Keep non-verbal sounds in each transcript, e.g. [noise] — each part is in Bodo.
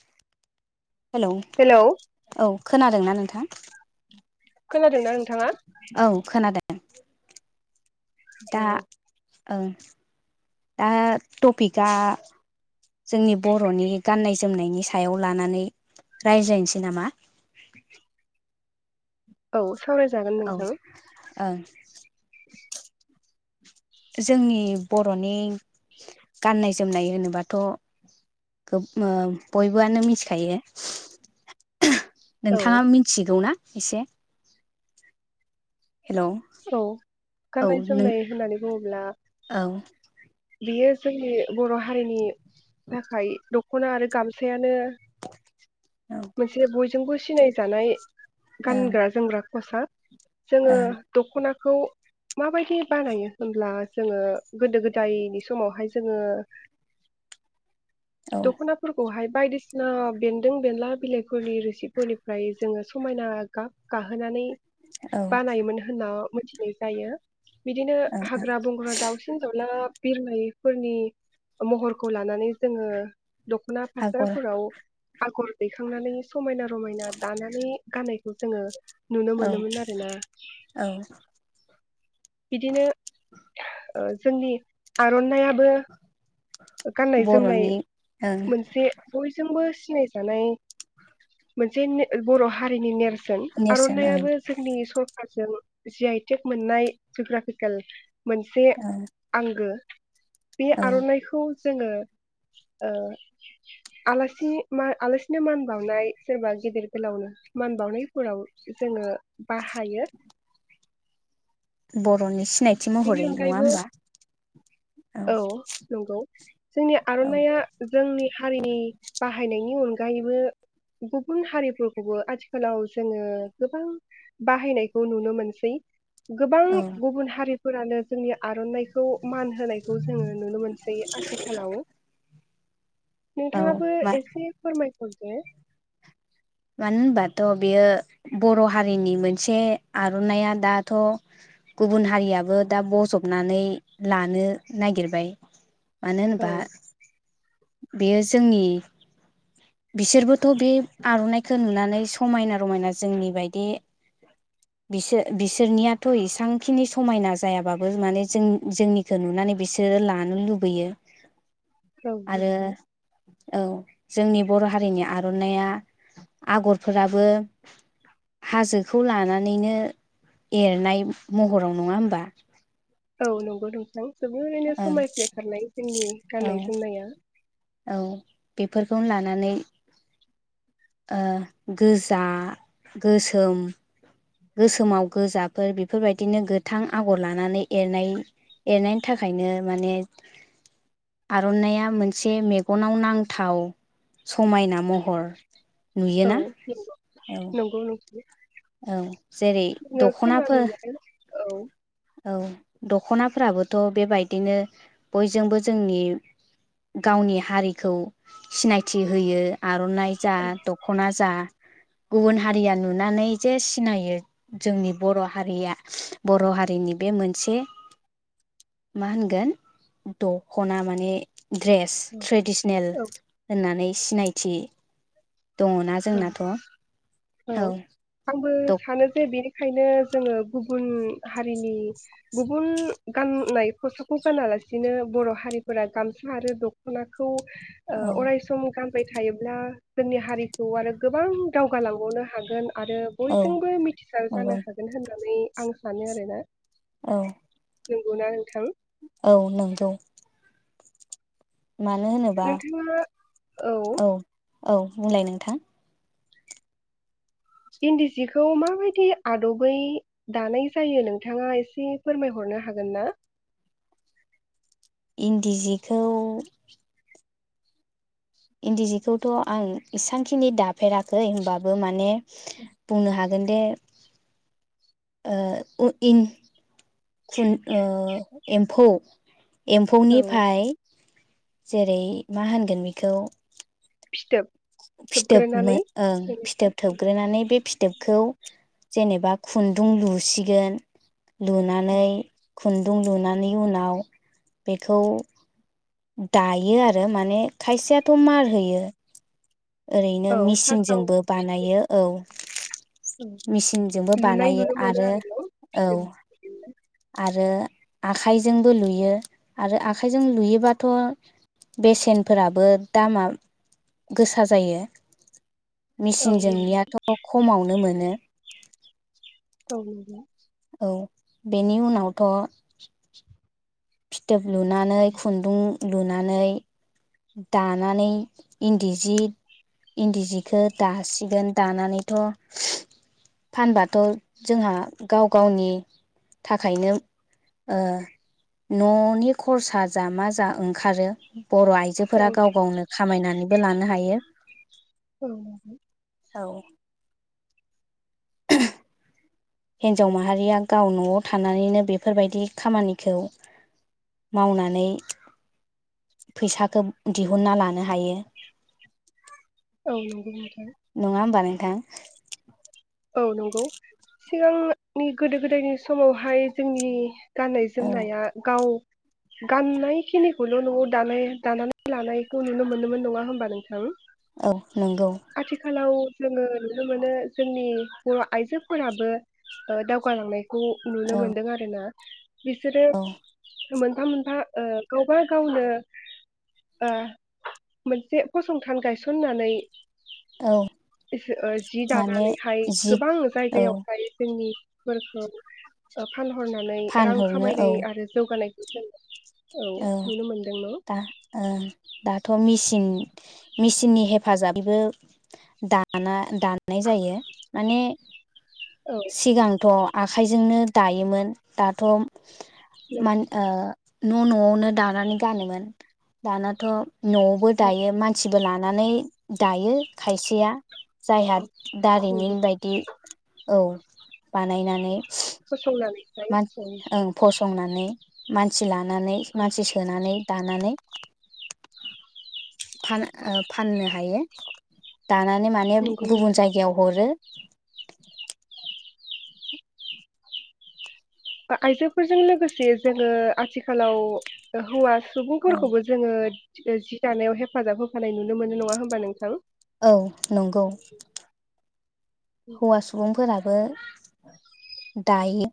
[inaudible] हेलौ औ खोनादोंना नोंथां [inaudible] खोनादोंना नोंथाङा औ खोनादों दा औ ओं दा टपिकआ जोंनि बर'नि गाननाय जोमनायनि सायाव लानानै रायज्लायनोसै नामा? औ सावरायजागोन औ नोंथां। ओं जोंनि बर'नि गाननाय जोमनाय होनोबाथ' गो ओ बयबोआनो मिथिखायो। औ नोंथाङा मिथिगौ ना एसे हेलौ औ औ गाननाय नों जोमनाय होननानै बुङोब्ला औ बियो जोंनि बर' हारिनि थाखाय द ख'ना आरो गामसायानो औ ओं मोनसे बयजोंबो सिनाय जानाय ओं गानग्रा जोमग्रा [unintelligible] जोङो औ दखनाखौ माबायदि बानायो होमब्ला जोङो गोदो गोदायनि समावहाय जोङो औ दख'नाफोरखौहाय बायदिसिना बेन्दों बेनला बिलाय फोरनि रोसिफोरनिफ्राय जोङो समायना गाब गाहोनानै औ औ मिथिनाय जायो। बिदिनो ओं हाग्रा बंग्रा दावसिन दाउला बिरलायो फोरनि महरखौ लानानै जोङो दख'ना आगर फास्राफोराव आगर दिखांनानै समायना रमायना दानानै गाननायखौ जोङो नुनो औ मोनोमोन आरोना औ बिदिनो ओ जोंनि आर'ननाया बो गाननाय जोमनाय बर'नि ओं मोनसे बयजोंबो सि सिनायजानाय [inaudible] जेन बर' हारिनि नेरसोन जेन नेरसोन ओं आर'ननायाबो जोंनि सन [inaudible] जि आइटेक मोननाय जुग्राफिकेल मोनसे ओं आंगो बि औ आर'ननायखौ जोङो ओ आलासि आलासिनो मान बावनाय सोरबा गेदेर गोलावनो मान बावनायफोराव जोङो बाहायो बर'नि सिनायथि बेनि महरै नङा अनगायैबो होमबा? औ नंगौ जोंनि औ आर'नाइया जोंनि हारिनि बाहायनायनि अन अनगायैबो गुबुन हारिफोरखौबो आथिखालाव जोङो गोबां बाहायनायखौ नुनो मोनसै। गोबां औ गुबुन हारि फोरानो जोंनि आर'नाइखौ मान खौ जोङो नुनो मोनसै आथिखालाव औ नोंथाङाबो मा एसे फोरमाय हरदो मानो होनबाथ' बेयो बर' हारिनि मोनसे आर'ननाइया दाथ' गुबुन हारियाबो दा बजबनानै लानो नागिरबाय मानो औ होनोबा बेयो जोंनि बिसोरबोथ' बे आर'नाइखो नुनानै समायना रमायना जोंनि बायदि बिसोर बिसोरनियाथ' इसबांखिनि समायना जायाबाबो माने जों जोंनिखौ नुनानै बिसोरो लानो लुबैयो औ आरो नंगौ औ जोंनि बर' हारिनि आर'नाइया आगरफोराबो हाजोखौ लानानैनो एरनाय महराव नङा होमबा औ नंगौ नोंथां जोबोरैनो ओं समायज्ले थारनाय जोंनि औ गाननाय जोमनाया औ बेफोरखौनो लानानै ओ गोजा गोसोम गोसोमाव गोजाफोर बेफोरबायदिनो गोथां आगर लानानै एरनाय एरनायनि थाखायनो माने आर'नाया मोनसे मेगनाव नांथाव समायना महर औ नुयोना नंगौ औ नंगौ नंगौ औ जेरै खोनानो दख'नाफोर मोनो औ औ दख'नाफ्राबोथ' बेबायदिनो बयजोंबो जोंनि गावनि हारिखौ सिनायथि होयो आरो आर'नाइ जा दख'ना जा गुबुन हारिया नुनानै जे सिनायो जोंनि बर' हारिया बर' हारि जोंनि बे मोनसे मा होनगोन दखना माने ड्रेस ट्रेडिसनेल औ होननानै सिनायथि दङना जोंनाथ' औ दख बेंखायनो जोङो गुबुन हारिनि गुबुन गाननाय खसाबखौ गानालासिनो बर' हारिफोरा गामसा आरो दख'नाखौ औ अराय सम गान बाय थायोब्ला जोंनि हारि औ आरो गोबां दावगालांबावनो हागोन आरो औ बयजोंबो मिथिसार नंगौ जानो हागोन होननानै आं सानो आरोना औ नंगौना नोंथां औ नंगौ मानो होनोबा नोंथाङा औ औ बुंलाय नोंथां इन्दि सिखौ माबायदि आदबै दानाय जायो नोंथाङा एसे फोरमायहरनो हागोन ना इन्दि जिखौ इन्दि जिखौथ' आं इसांखिनि दाफेराखै होनबाबो माने बुंनो हागोन दे ओ इं खुन ओ एम्फौ औ एम्फौनिफाय जेरै मा होनगोन बेखौ फिथोब फिथोब थोबग्रोनानै ओं जेनेबा फिथोब थोबग्रोनानै बे फिथोबखौ जेनेबा खुन्दुं लुसिगोन लुनानै खुन्दुं लुनानै उनाव बेखौ दायो आरो माने खायसेयाथ' मार होयो ओरैनो औ फार्स्टआव मिचिनजोंबो बानायो औ मेचिनजोंबो लुनाय बानायो नुनो मोनो आरो न' औ फिथोब आरो आखाइजोंबो लुयो आरो आखाइजों लुयोबाथ' बेसेनफोराबो दामा गोसा जायो औ नंगौ मेसिनजोंनियाथ' खमावनोमोन [unintelligible] औ औ बेनि उनावथ' फिथोब लुनानै खुन्दुं लुनानै दानानै इन्दि जि इन्दि जिखौ दासिगोन दानानैथ' फानबाथ' जोंहा गाव गावनि थाखायनो ओ न'नि खरसा जा मा जा ओंखारो बर'आ आइजोफोरा गाव गावनो खामायनानैबो लानो हायो औ नंगौ औ [unintelligible] हिन्जाव माहारिया गाव न'आव थानानैनो बेफोरबायदि खामानिखौ मावनानै फैसाखौ दिहुनना लानो हायो औ नंगौ नोंथां [unintelligible] औ नंगौ सिगांनि गोदो गोदायनि समावहाय जोंनि गाननाय औ जोमनाया गाव गाननायखिनिखौल' न'आव दानाय दानानै लानायखौ नुनो मोनोमोन नङा होमबा नोंथां औ नंगौ आथिखालाव जोङो नुनो मोनो जोंनि बर' आइजोफोराबो ओ दावगालांनाय खौ नुनो औ मोन्दों आरोना बिसोरो औ मोनफा मोनफा ओ गावबा गावनो ओ मोनसे फसंथान गायसननानै औ जि माने दानानैहाय जि गोबां औ जायगायाव गायो [inaudible] फानहरनानै रां फानहरनो औ खामायनाय आरो जौगानाय [inaudible] औ दा औ दाथ' मेसिन मेसिननि हेफाजाब बेबो दाना दाननाय जायो माने औ सिगांथ' आखाइजोंनो दायोमोन दाथ' नंगौ मान ओ न' न'यावनो दानानै गानोमोन दानाथ' न'आवबो दायो मानसि बो लानानै दायो खायसेया जायहा दारिमिन बायदि औ बानायना फसंनानै ओं फसंनानै मानसिला नानै मानसि सोनानै दानानै फान ओ फाननो हायो दानानै माने नंगौ नोंथां गुबुन जायगायाव हरो [unintelligible] आइजोफोरजों लोगोसे जोङो आथिखालाव हौवा औ सुबुंफोरखौबो जोङो जि दानायाव हेफाजाब होफानाय नुनो मोनो नङा होमबा नोंथां? औ नंगौ हौवा सुबुंफोरा बो दायो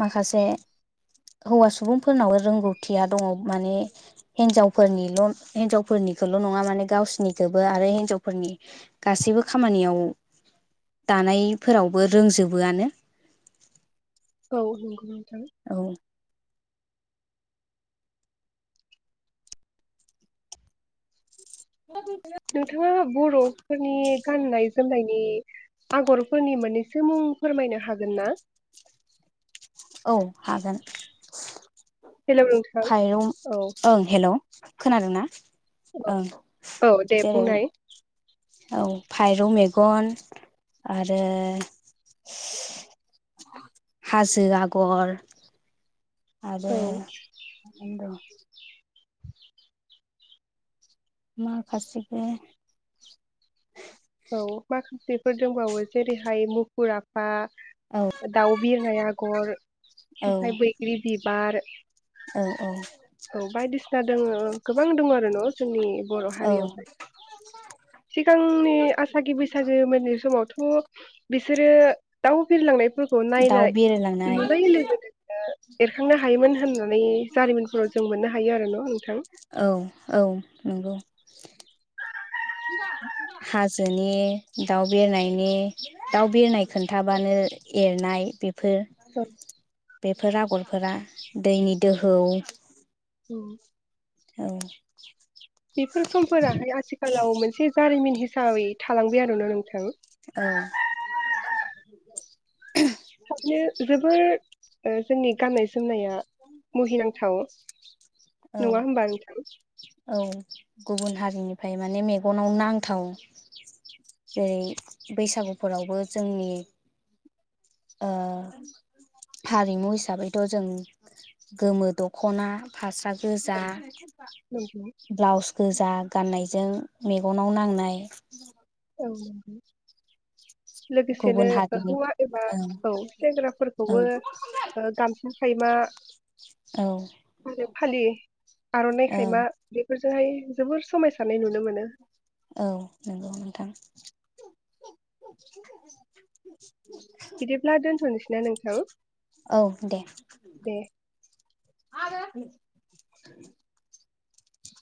माखासे हौवा सुबुंफोरनावबो रोंगौथिया दङ माने हिनजावफोरनिल हिनजावफोरनिखौल नङा माने गावसिनिखौबो आरो हिनजावफोरनि गासैबो खामानियाव दानायफोरावबो रोंजोबोआनो औ नंगौ। औ नोंथाङा बर'फोरनि गाननाय जोमनायनि आगरफोरनि मोननैसो मुं फोरमायनो हागोन ना औ हागोन। हेलौ [inaudible] नोंथां फाइरं औ ओं हेल' खोनादों ना औ औ दे बुंनाय औ [unintelligible] मेगन आरो हाजो आगर आरो औ होनदों माखासिबो फोर दंबावो जेरैहाय मुखुर आफा औ दाउ बिरनाय आगर औ ओमफ्राय बैग्रि बि बार औ औ औ बायदिसिना दङ गोबां दङ आरो न' जोंनि बर' औ हारियावहाय सिगांनि आसागि बैसागो मोननि समावथ' बिसोरो दाउ बिरलांनायफोरखौ दाउ नायनाय बिरलांनाय नुनाय लोगो लोगो एरखांनो हायोमोन होननानै जारिमिनफोराव जों मोननो हायो आरो न' नोंथां औ औ नंगौ हाजोनि दाउ बिरनायनि दाउ बिरनाय खोन्थाबानो एरनाय बे। फोर बे फोर आगरफोरा दैनि दोहौ औ औ बेफोर समफोराहाय आथिखालाव मोनसे जारिमिन हि साबै थालांबाय आरो ना नोंथां औ थाबनो जोबोर अ जोंनि गानाय जोमनाया मुहिनांथाव औ नङा होमबा नोंथां औ गुबुन हारिनिफ्राय माने मेगनाव नांथाव जेरै बैसागुफोरावबो जोंनि ओ हारिमु हिसाबैथ' जों गोमो दख'ना फास्रा गोजा नंगौ ब्लाउस गोजा गाननायजों मेगनाव नांनाय औ [unintelligible] लोगोसेनो गुबुन हारिनि हौवा एबा ओं औ औ सेंग्राफोरखौबो ओ गामसा औ [unintelligible] आरो फालि आर'नाइ ओं खायमा बेफोर जोंहाय जोबोर समायसारनाय नुनो मोनो। औ नोंगौ नोंथां बिदिब्ला दोनथ'नोसैना नोंथां दे आरो